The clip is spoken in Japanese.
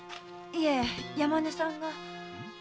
いえ山根さんが。